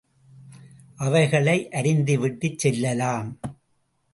அவைகளை அருந்திவிட்டுச் செல்லலாம்.